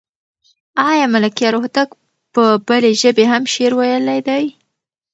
آیا ملکیار هوتک په بلې ژبې هم شعر ویلی دی؟